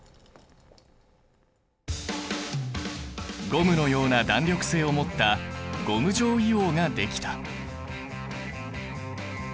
ゴムのような弾力性を持ったゴム状硫黄ができた。